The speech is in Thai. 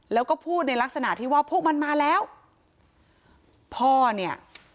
แล้วก็พูดในลักษณะที่ว่าพวกมันมาแล้วพ่อเนี่ย